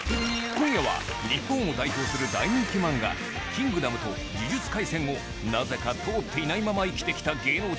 今夜は日本を代表する大人気漫画『キングダム』と『呪術廻戦』をなぜか通っていないまま生きてきた芸能人が集結